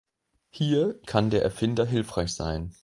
Hier kann der Erfinder hilfreich sein.